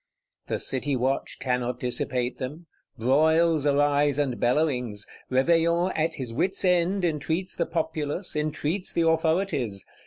The City watch cannot dissipate them; broils arise and bellowings; Réveillon, at his wits' end, entreats the Populace, entreats the authorities.